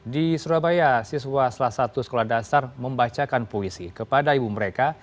di surabaya siswa salah satu sekolah dasar membacakan puisi kepada ibu mereka